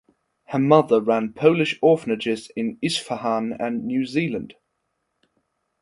Her mother ran Polish orphanages in Isfahan and New Zealand.